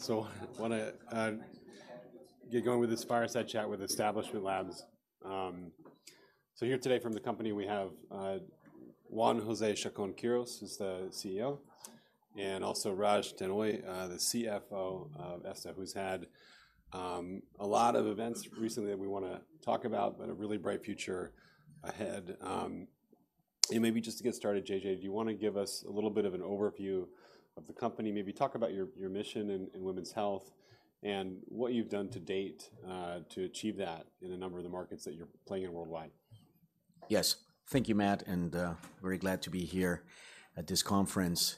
So I wanna get going with this fireside chat with Establishment Labs. So here today from the company, we have Juan José Chacón-Quirós, who's the CEO, and also Raj Denhoy, the CFO of ESTA, who's had a lot of events recently that we wanna talk about, but a really bright future ahead. And maybe just to get started, JJ, do you wanna give us a little bit of an overview of the company? Maybe talk about your, your mission in, in women's health, and what you've done to date to achieve that in a number of the markets that you're playing in worldwide. Yes. Thank you, Matt, and very glad to be here at this conference.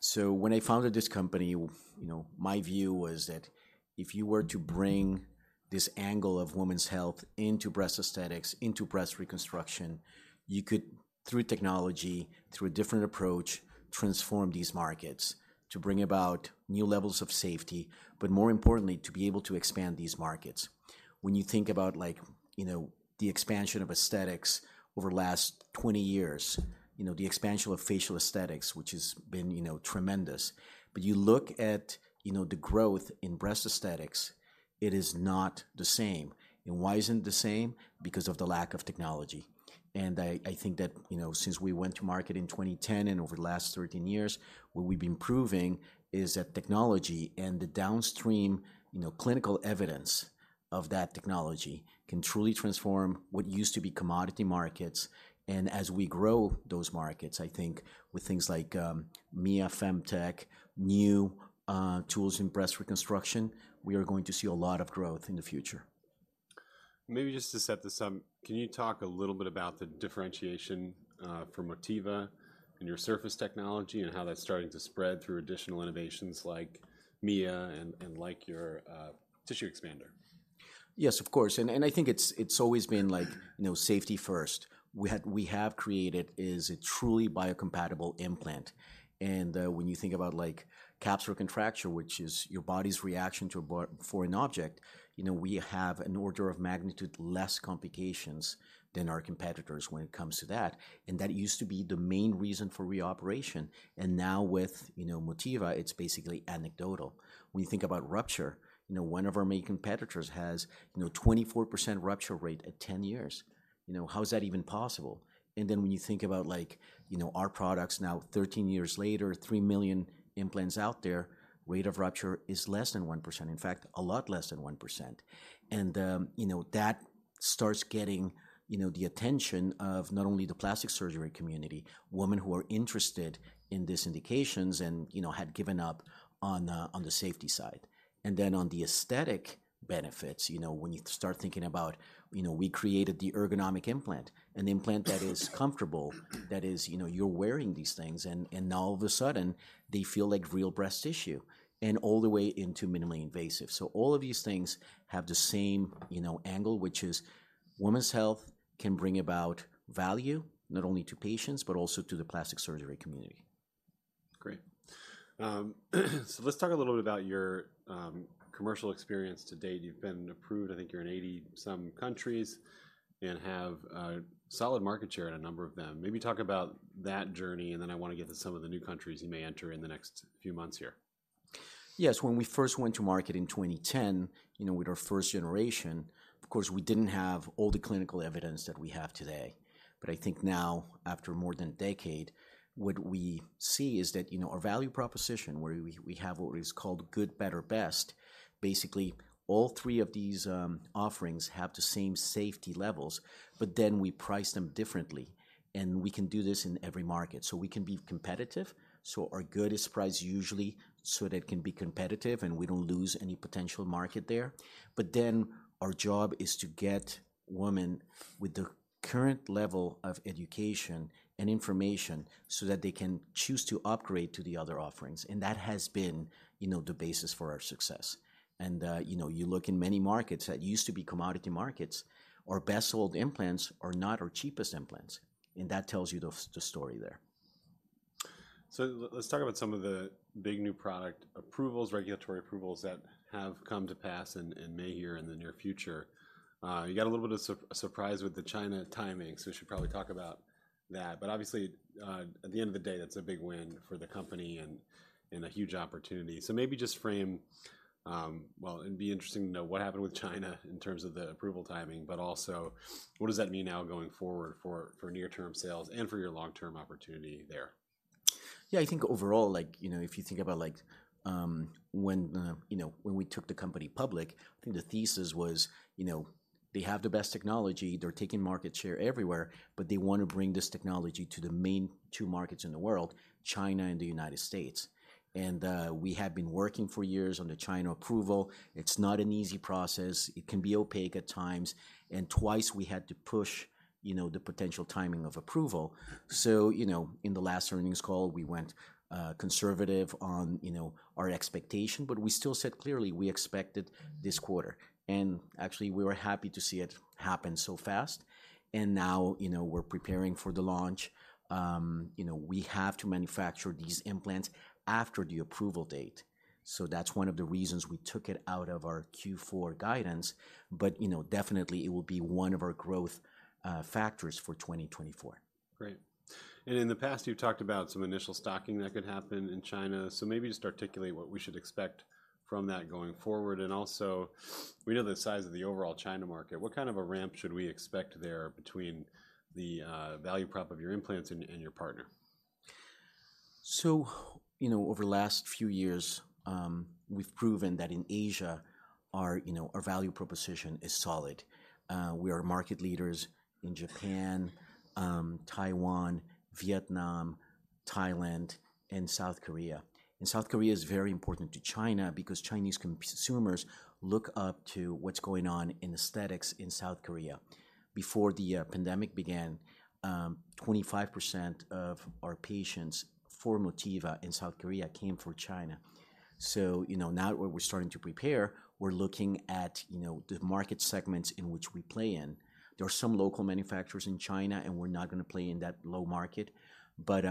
So when I founded this company, you know, my view was that if you were to bring this angle of women's health into breast aesthetics, into breast reconstruction, you could, through technology, through a different approach, transform these markets to bring about new levels of safety, but more importantly, to be able to expand these markets. When you think about like, you know, the expansion of aesthetics over the last 20 years, you know, the expansion of facial aesthetics, which has been, you know, tremendous, but you look at, you know, the growth in breast aesthetics, it is not the same. And why isn't it the same? Because of the lack of technology. And I think that, you know, since we went to market in 2010 and over the last 13 years, what we've been proving is that technology and the downstream, you know, clinical evidence of that technology can truly transform what used to be commodity markets. And as we grow those markets, I think with things like Mia Femtech, new tools in breast reconstruction, we are going to see a lot of growth in the future. Maybe just to set this up, can you talk a little bit about the differentiation from Motiva and your surface technology and how that's starting to spread through additional innovations like Mia and like your tissue expander? Yes, of course. And I think it's always been like, you know, safety first. We have created a truly biocompatible implant. And when you think about, like, capsular contracture, which is your body's reaction to a foreign object, you know, we have an order of magnitude less complications than our competitors when it comes to that, and that used to be the main reason for reoperation. And now with, you know, Motiva, it's basically anecdotal. When you think about rupture, you know, one of our main competitors has, you know, 24% rupture rate at 10 years. You know, how is that even possible? And then when you think about, like, you know, our products now, 13 years later, 3 million implants out there, rate of rupture is less than 1%. In fact, a lot less than 1%. You know, that starts getting, you know, the attention of not only the plastic surgery community, women who are interested in these indications and, you know, had given up on, on the safety side. And then on the aesthetic benefits, you know, when you start thinking about, you know, we created the Ergonomix implant, an implant that is comfortable, that is. You know, you're wearing these things, and, and all of a sudden, they feel like real breast tissue, and all the way into minimally invasive. So all of these things have the same, you know, angle, which is women's health can bring about value not only to patients but also to the plastic surgery community. Great. So let's talk a little bit about your commercial experience to date. You've been approved, I think you're in 80 some countries and have a solid market share in a number of them. Maybe talk about that journey, and then I wanna get to some of the new countries you may enter in the next few months here. Yes. When we first went to market in 2010, you know, with our first generation, of course, we didn't have all the clinical evidence that we have today. But I think now, after more than a decade, what we see is that, you know, our value proposition, where we have what is called good, better, best, basically, all three of these offerings have the same safety levels, but then we price them differently, and we can do this in every market. So we can be competitive, so our good is priced usually so that it can be competitive, and we don't lose any potential market there. But then our job is to get women with the current level of education and information so that they can choose to upgrade to the other offerings, and that has been, you know, the basis for our success. You know, you look in many markets that used to be commodity markets. Our best-sold implants are not our cheapest implants, and that tells you the story there. So let's talk about some of the big new product approvals, regulatory approvals that have come to pass in May here in the near future. You got a little bit of surprise with the China timing, so we should probably talk about that. But obviously, at the end of the day, that's a big win for the company and a huge opportunity. So maybe just frame, well, it'd be interesting to know what happened with China in terms of the approval timing, but also, what does that mean now going forward for near-term sales and for your long-term opportunity there? Yeah, I think overall, like, you know, if you think about, like, when, you know, when we took the company public, I think the thesis was, you know, they have the best technology, they're taking market share everywhere, but they want to bring this technology to the main two markets in the world, China and the United States. And, we had been working for years on the China approval. It's not an easy process. It can be opaque at times, and twice we had to push, you know, the potential timing of approval. So, you know, in the last earnings call, we went, conservative on, you know, our expectation, but we still said clearly we expected this quarter. And actually, we were happy to see it happen so fast, and now, you know, we're preparing for the launch. You know, we have to manufacture these implants after the approval date. So that's one of the reasons we took it out of our Q4 guidance, but, you know, definitely it will be one of our growth factors for 2024. Great. And in the past, you've talked about some initial stocking that could happen in China, so maybe just articulate what we should expect from that going forward. And also, we know the size of the overall China market. What kind of a ramp should we expect there between the value prop of your implants and your partner? So, you know, over the last few years, we've proven that in Asia, our, you know, our value proposition is solid. We are market leaders in Japan, Taiwan, Vietnam, Thailand, and South Korea. And South Korea is very important to China because Chinese consumers look up to what's going on in aesthetics in South Korea. Before the pandemic began, 25% of our patients for Motiva in South Korea came from China. So, you know, now that we're starting to prepare, we're looking at, you know, the market segments in which we play in. There are some local manufacturers in China, and we're not gonna play in that low market, but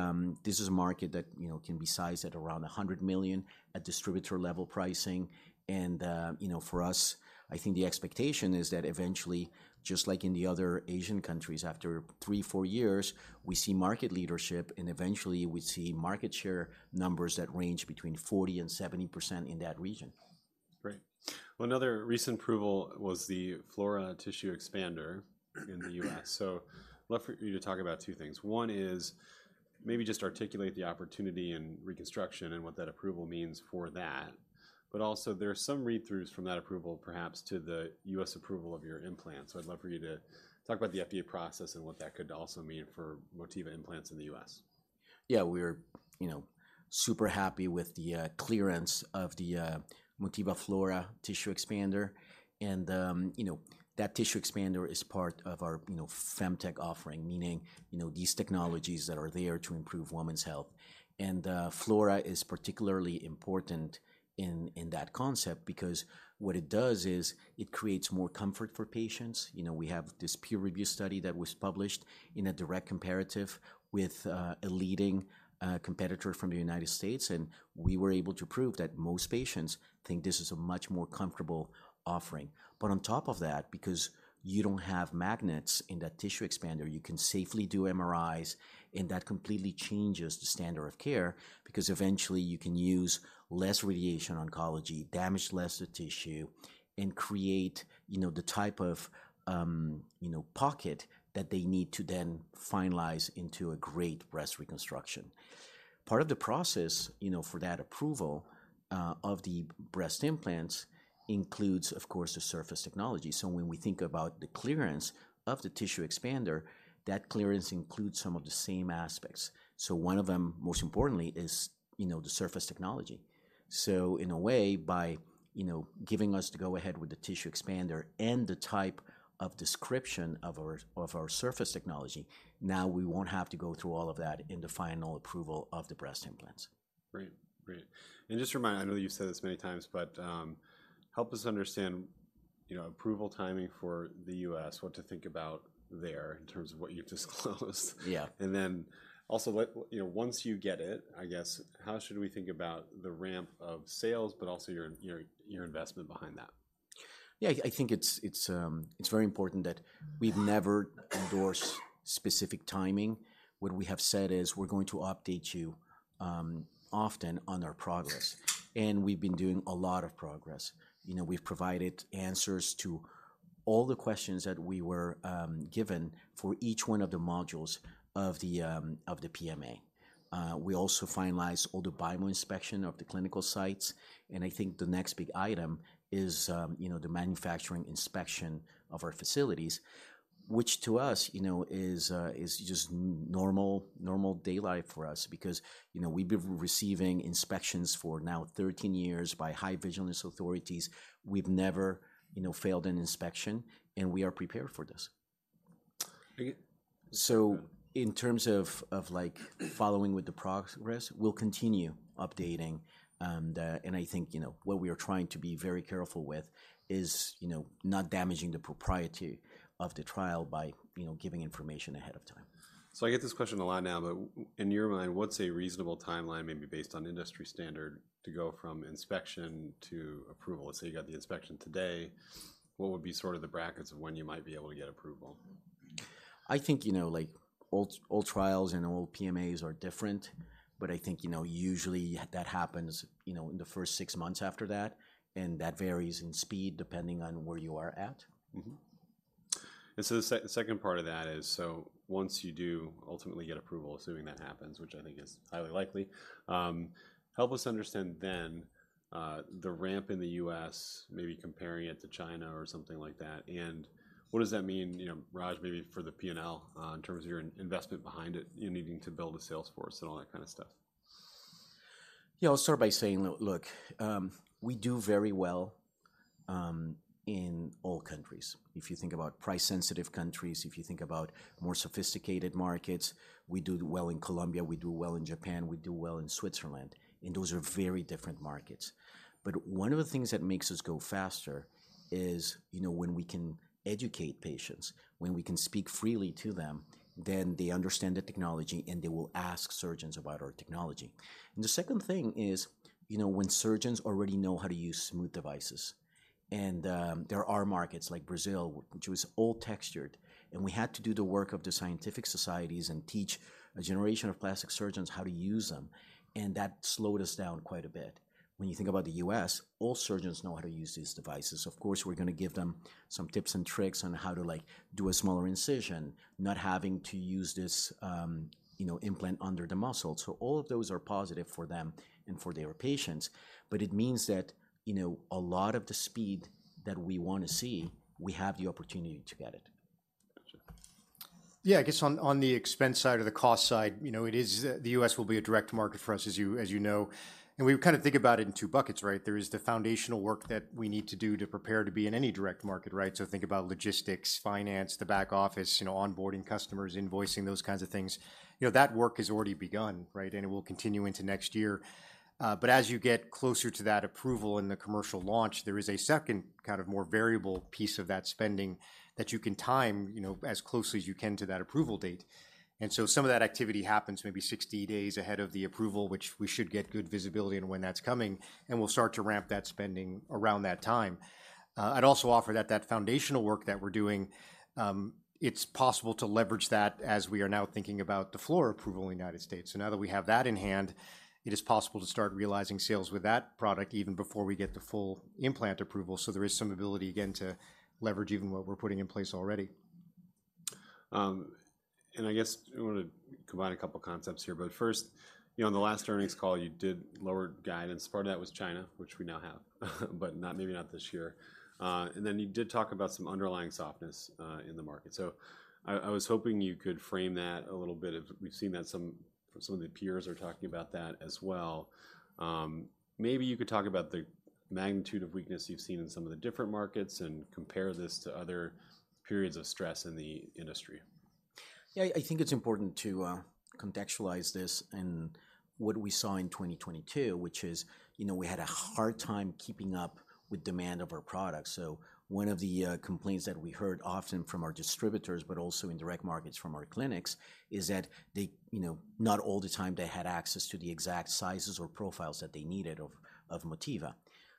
this is a market that, you know, can be sized at around $100 million at distributor-level pricing. You know, for us, I think the expectation is that eventually, just like in the other Asian countries, after 3-4 years, we see market leadership, and eventually, we see market share numbers that range between 40%-70% in that region. Great. Well, another recent approval was the Flora tissue expander in the U.S. So I'd love for you to talk about two things. One is maybe just articulate the opportunity and reconstruction and what that approval means for that. But also, there are some read-throughs from that approval, perhaps to the U.S. approval of your implant. So I'd love for you to talk about the FDA process and what that could also mean for Motiva Implants in the U.S. Yeah, we're, you know, super happy with the clearance of the Motiva Flora tissue expander. You know, that tissue expander is part of our, you know, Femtech offering, meaning, you know, these technologies that are there to improve women's health. Flora is particularly important in that concept because what it does is it creates more comfort for patients. You know, we have this peer review study that was published in a direct comparative with a leading competitor from the United States, and we were able to prove that most patients think this is a much more comfortable offering. But on top of that, because you don't have magnets in that tissue expander, you can safely do MRIs, and that completely changes the standard of care, because eventually, you can use less radiation oncology, damage less the tissue, and create, you know, the type of, you know, pocket that they need to then finalize into a great breast reconstruction. Part of the process, you know, for that approval of the breast implants includes, of course, the surface technology. So when we think about the clearance of the tissue expander, that clearance includes some of the same aspects. So one of them, most importantly, is, you know, the surface technology. So in a way, by, you know, giving us the go-ahead with the tissue expander and the type of description of our surface technology, now we won't have to go through all of that in the final approval of the breast implants. Great. Great. And just remind, I know you've said this many times, but, help us understand, you know, approval timing for the U.S., what to think about there in terms of what you've disclosed? Yeah. Then also, you know, once you get it, I guess, how should we think about the ramp of sales, but also your investment behind that? Yeah, I think it's very important that we've never endorsed specific timing. What we have said is we're going to update you often on our progress, and we've been doing a lot of progress. You know, we've provided answers to all the questions that we were given for each one of the modules of the PMA. We also finalized all the BIMO inspection of the clinical sites, and I think the next big item is, you know, the manufacturing inspection of our facilities, which to us, you know, is just normal day life for us because, you know, we've been receiving inspections for now 13 years by high vigilance authorities. We've never, you know, failed an inspection, and we are prepared for this. I get- So in terms of, of, like, following with the progress, we'll continue updating. And, and I think, you know, what we are trying to be very careful with is, you know, not damaging the propriety of the trial by, you know, giving information ahead of time. So I get this question a lot now, but in your mind, what's a reasonable timeline, maybe based on industry standard, to go from inspection to approval? Let's say you got the inspection today, what would be sort of the brackets of when you might be able to get approval? I think, you know, like, all trials and all PMAs are different, but I think, you know, usually that happens, you know, in the first six months after that, and that varies in speed depending on where you are at. Mm-hmm. And so the second part of that is, so once you do ultimately get approval, assuming that happens, which I think is highly likely, help us understand then, the ramp in the U.S., maybe comparing it to China or something like that, and what does that mean, you know, Raj, maybe for the PNL, in terms of your investment behind it, you needing to build a sales force and all that kind of stuff? Yeah, I'll start by saying, look, we do very well in all countries. If you think about price-sensitive countries, if you think about more sophisticated markets, we do well in Colombia, we do well in Japan, we do well in Switzerland, and those are very different markets. But one of the things that makes us go faster is, you know, when we can educate patients, when we can speak freely to them, then they understand the technology, and they will ask surgeons about our technology. And the second thing is, you know, when surgeons already know how to use smooth devices, and there are markets like Brazil, which was all textured, and we had to do the work of the scientific societies and teach a generation of plastic surgeons how to use them, and that slowed us down quite a bit. When you think about the U.S., all surgeons know how to use these devices. Of course, we're gonna give them some tips and tricks on how to, like, do a smaller incision, not having to use this, you know, implant under the muscle. So all of those are positive for them and for their patients, but it means that, you know, a lot of the speed that we want to see, we have the opportunity to get it. Yeah, I guess on the expense side or the cost side, you know, it is the U.S. will be a direct market for us, as you know, and we kind of think about it in two buckets, right? There is the foundational work that we need to do to prepare to be in any direct market, right? So think about logistics, finance, the back office, you know, onboarding customers, invoicing, those kinds of things. You know, that work has already begun, right? And it will continue into next year. But as you get closer to that approval and the commercial launch, there is a second kind of more variable piece of that spending that you can time, you know, as closely as you can to that approval date. And so some of that activity happens maybe 60 days ahead of the approval, which we should get good visibility on when that's coming, and we'll start to ramp that spending around that time. I'd also offer that that foundational work that we're doing, it's possible to leverage that as we are now thinking about the Flora approval in the United States. So now that we have that in hand, it is possible to start realizing sales with that product even before we get the full implant approval. So there is some ability, again, to leverage even what we're putting in place already. And I guess I want to combine a couple concepts here, but first, you know, on the last earnings call, you did lower guidance. Part of that was China, which we now have, but not, maybe not this year. And then you did talk about some underlying softness in the market. So I was hoping you could frame that a little bit. We've seen that some of the peers are talking about that as well. Maybe you could talk about the magnitude of weakness you've seen in some of the different markets and compare this to other periods of stress in the industry. Yeah, I think it's important to contextualize this and what we saw in 2022, which is, you know, we had a hard time keeping up with demand of our products. So one of the complaints that we heard often from our distributors, but also in direct markets from our clinics, is that they, you know, not all the time they had access to the exact sizes or profiles that they needed of Motiva.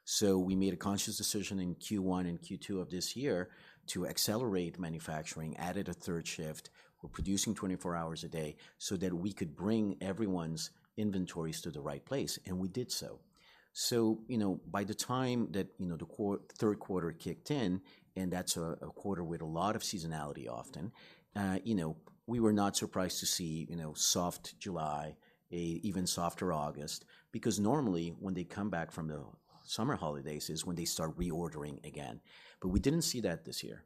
So we made a conscious decision in Q1 and Q2 of this year to accelerate manufacturing, added a third shift. We're producing 24 hours a day, so that we could bring everyone's inventories to the right place, and we did so. So, you know, by the time that, you know, the third quarter kicked in, and that's a quarter with a lot of seasonality often, you know, we were not surprised to see, you know, soft July, an even softer August, because normally when they come back from the summer holidays is when they start reordering again. But we didn't see that this year,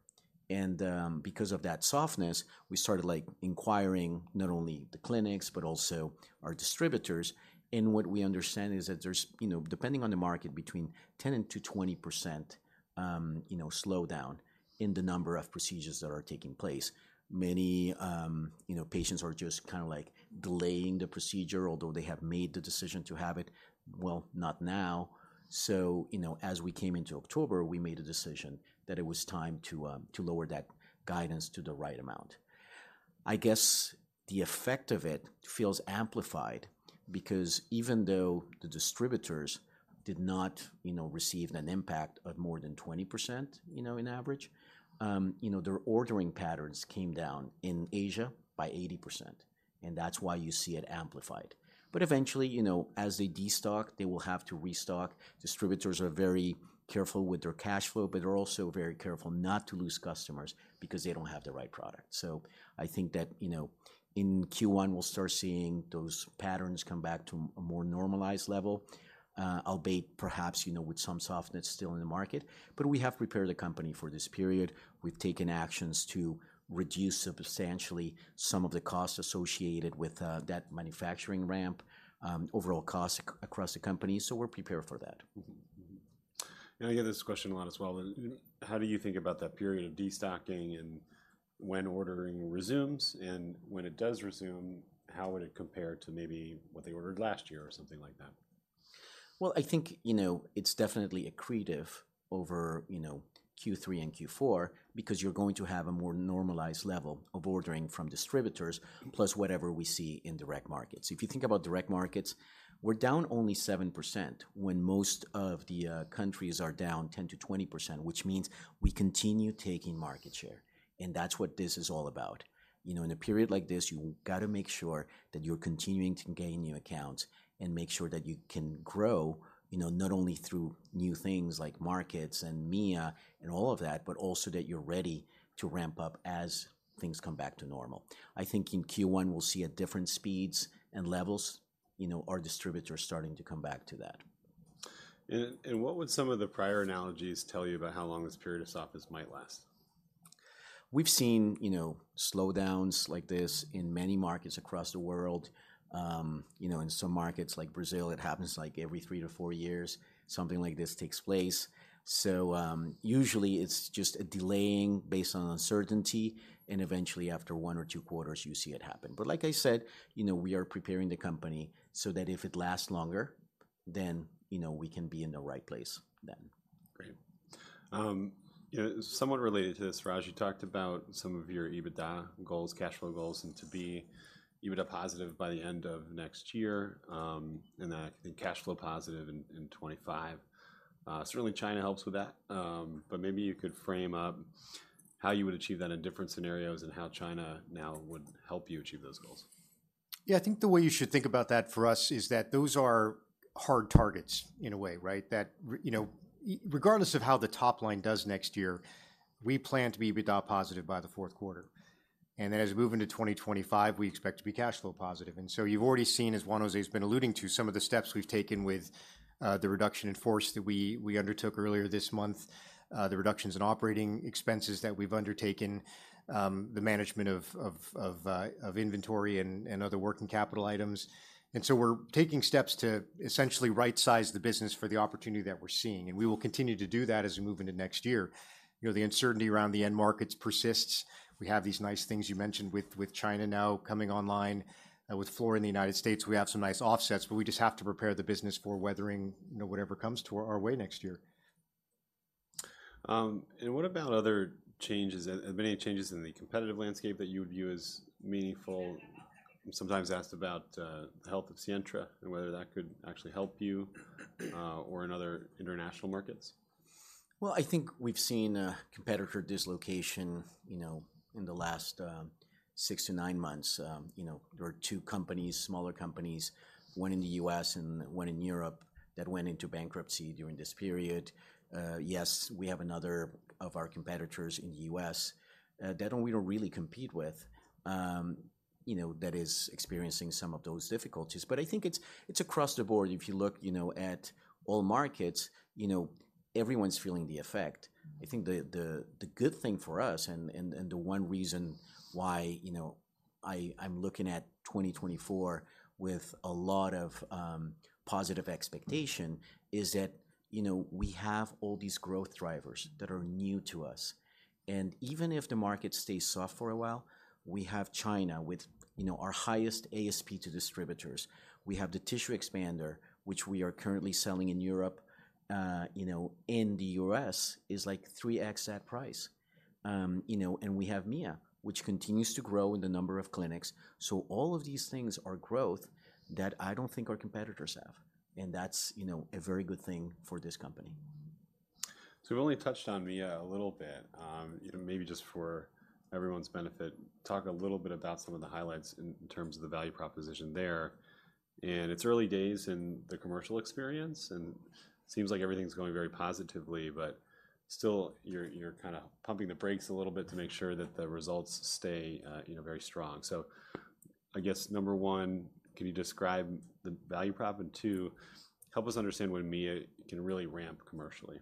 and because of that softness, we started, like, inquiring not only the clinics, but also our distributors. And what we understand is that there's, you know, depending on the market, between 10%-20% slowdown in the number of procedures that are taking place. Many, you know, patients are just kind of, like, delaying the procedure, although they have made the decision to have it, well, not now. So, you know, as we came into October, we made a decision that it was time to lower that guidance to the right amount. I guess the effect of it feels amplified because even though the distributors did not, you know, receive an impact of more than 20%, you know, in average, their ordering patterns came down in Asia by 80%, and that's why you see it amplified. But eventually, you know, as they destock, they will have to restock. Distributors are very careful with their cash flow, but they're also very careful not to lose customers because they don't have the right product. So I think that, you know, in Q1, we'll start seeing those patterns come back to a more normalized level, albeit perhaps, you know, with some softness still in the market. We have prepared the company for this period. We've taken actions to reduce substantially some of the costs associated with that manufacturing ramp, overall costs across the company, so we're prepared for that. Mm-hmm. And I get this question a lot as well. How do you think about that period of destocking and when ordering resumes? And when it does resume, how would it compare to maybe what they ordered last year or something like that? Well, I think, you know, it's definitely accretive over, you know, Q3 and Q4 because you're going to have a more normalized level of ordering from distributors, plus whatever we see in direct markets. If you think about direct markets, we're down only 7% when most of the countries are down 10%-20%, which means we continue taking market share, and that's what this is all about. You know, in a period like this, you've got to make sure that you're continuing to gain new accounts and make sure that you can grow, you know, not only through new things like markets and Mia and all of that, but also that you're ready to ramp up as things come back to normal. I think in Q1, we'll see at different speeds and levels, you know, our distributors starting to come back to that. What would some of the prior analogies tell you about how long this period of softness might last? We've seen, you know, slowdowns like this in many markets across the world. You know, in some markets like Brazil, it happens, like, every three to four years, something like this takes place. So, usually, it's just a delaying based on uncertainty, and eventually, after one or two quarters, you see it happen. But like I said, you know, we are preparing the company so that if it lasts longer, then, you know, we can be in the right place then. Great. You know, somewhat related to this, Raj, you talked about some of your EBITDA goals, cash flow goals, and to be EBITDA positive by the end of next year, and that and cash flow positive in 2025. Certainly, China helps with that, but maybe you could frame up how you would achieve that in different scenarios and how China now would help you achieve those goals. Yeah, I think the way you should think about that for us is that those are hard targets in a way, right? That you know, regardless of how the top line does next year, we plan to be EBITDA positive by the fourth quarter. And then as we move into 2025, we expect to be cash flow positive. And so you've already seen, as Juan José's been alluding to, some of the steps we've taken with the reduction in force that we undertook earlier this month, the reductions in operating expenses that we've undertaken, the management of inventory and other working capital items. And so we're taking steps to essentially rightsize the business for the opportunity that we're seeing, and we will continue to do that as we move into next year. You know, the uncertainty around the end markets persists. We have these nice things you mentioned with China now coming online, with Flora in the United States. We have some nice offsets, but we just have to prepare the business for weathering, you know, whatever comes to our way next year. What about other changes? Have there been any changes in the competitive landscape that you would view as meaningful? I'm sometimes asked about the health of Sientra and whether that could actually help you or in other international markets. Well, I think we've seen a competitor dislocation, you know, in the last six to nine months. You know, there are two companies, smaller companies, one in the U.S. and one in Europe, that went into bankruptcy during this period. Yes, we have another of our competitors in the U.S., that we don't really compete with, you know, that is experiencing some of those difficulties. But I think it's across the board. If you look, you know, at all markets, you know, everyone's feeling the effect. I think the good thing for us and the one reason why, you know, I, I'm looking at 2024 with a lot of positive expectation is that, you know, we have all these growth drivers that are new to us. Even if the market stays soft for a while, we have China with, you know, our highest ASP to distributors. We have the tissue expander, which we are currently selling in Europe. You know, in the U.S., is like 3x that price. You know, and we have Mia, which continues to grow in the number of clinics. So all of these things are growth that I don't think our competitors have, and that's, you know, a very good thing for this company. So we've only touched on Mia a little bit. You know, maybe just for everyone's benefit, talk a little bit about some of the highlights in terms of the value proposition there. And it's early days in the commercial experience, and it seems like everything's going very positively, but still, you're kinda pumping the brakes a little bit to make sure that the results stay, you know, very strong. So I guess, number one, can you describe the value prop? And two, help us understand when Mia can really ramp commercially.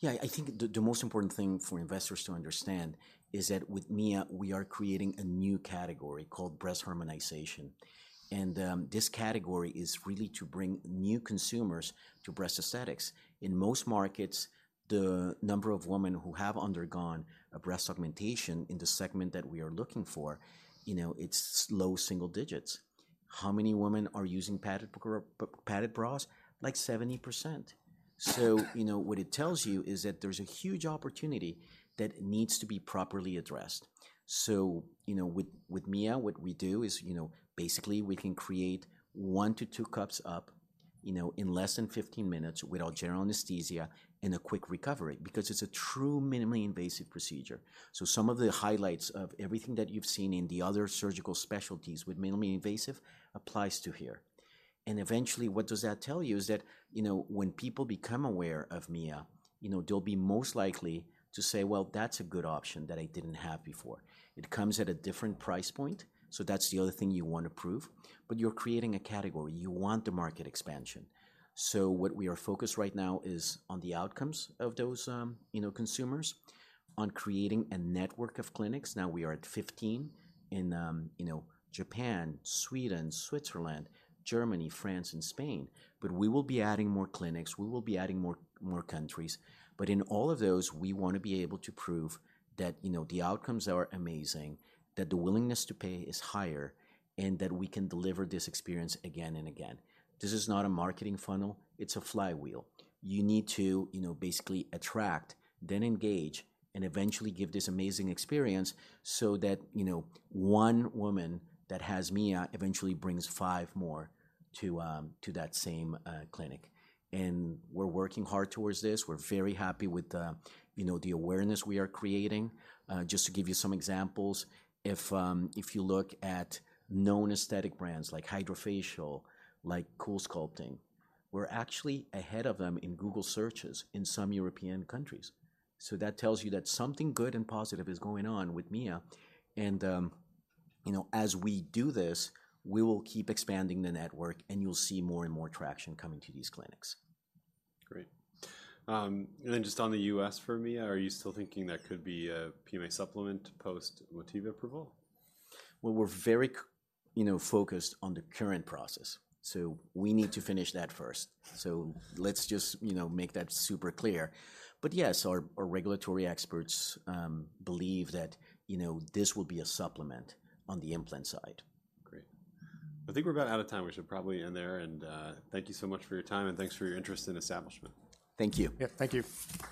Yeah, I think the most important thing for investors to understand is that with Mia, we are creating a new category called breast harmonization. And this category is really to bring new consumers to breast aesthetics. In most markets, the number of women who have undergone a breast augmentation in the segment that we are looking for, you know, it's low single digits. How many women are using padded bras? Like, 70%. So, you know, what it tells you is that there's a huge opportunity that needs to be properly addressed. So, you know, with Mia, what we do is, you know, basically, we can create one to two cups up, you know, in less than 15 minutes with general anesthesia and a quick recovery because it's a true minimally invasive procedure. So some of the highlights of everything that you've seen in the other surgical specialties with minimally invasive applies to here. And eventually, what does that tell you is that, you know, when people become aware of Mia, you know, they'll be most likely to say, "Well, that's a good option that I didn't have before." It comes at a different price point, so that's the other thing you want to prove, but you're creating a category. You want the market expansion. So what we are focused right now is on the outcomes of those, you know, consumers, on creating a network of clinics. Now, we are at 15 in, you know, Japan, Sweden, Switzerland, Germany, France, and Spain. But we will be adding more clinics, we will be adding more, more countries. But in all of those, we wanna be able to prove that, you know, the outcomes are amazing, that the willingness to pay is higher, and that we can deliver this experience again and again. This is not a marketing funnel, it's a flywheel. You need to, you know, basically attract, then engage, and eventually give this amazing experience so that, you know, one woman that has Mia eventually brings five more to that same clinic. And we're working hard towards this. We're very happy with the, you know, the awareness we are creating. Just to give you some examples, if you look at known aesthetic brands like HydraFacial, like CoolSculpting, we're actually ahead of them in Google searches in some European countries. So that tells you that something good and positive is going on with Mia, and, you know, as we do this, we will keep expanding the network, and you'll see more and more traction coming to these clinics. Great. And then just on the U.S. for Mia, are you still thinking that could be a PMA supplement post Motiva approval? Well, we're very you know, focused on the current process, so we need to finish that first. So let's just, you know, make that super clear. But yes, our, our regulatory experts believe that, you know, this will be a supplement on the implant side. Great. I think we're about out of time. We should probably end there. And, thank you so much for your time, and thanks for your interest in Establishment. Thank you. Yep, thank you.